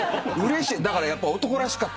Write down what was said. だからやっぱ男らしかったんです。